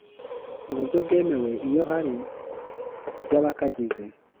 mu buryo bwemewe iyo hari by abakagize